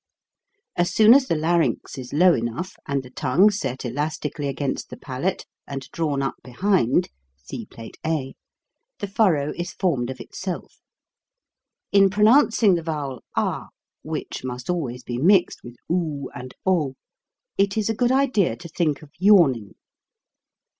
As soon as the larynx is low enough and the tongue set elas tically against the palate and drawn up be hind (see plate a), the furrow is formed of itself. In pronouncing the vowel ah (which must always be mixed with oo and o), it is a good idea to think of yawning.